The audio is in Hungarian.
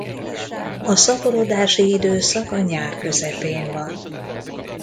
A szaporodási időszak a nyár közepén van.